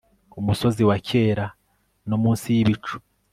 Umusozi wa kera no munsi yibicu